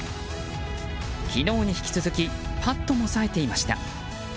昨日に引き続きパットもさえていました。